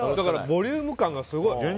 ボリューム感がすごい。